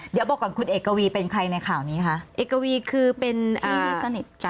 เดี๋ยวบอกก่อนคุณเอกวีเป็นใครในข่าวนี้คะเอกวีคือเป็นสนิทกัน